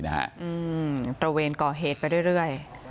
ตระเวนก่อเหตุไปเรื่อย